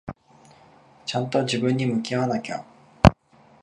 ちゃんと自分に向き合わなきゃ。